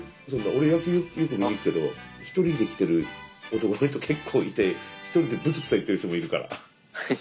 俺野球よく見に行くけどひとりで来てる男の人結構いてひとりでぶつくさ言ってる人もいるから。